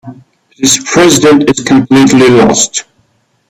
This president is completely lost.